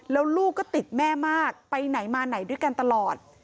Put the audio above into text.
แล้วลูกก็ติดแม่มากไปไหนมาไหนด้วยกันตลอด